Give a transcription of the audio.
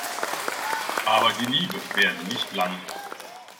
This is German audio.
Aber die Liebe währte nicht lang.